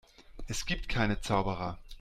Es gibt keine Zauberer.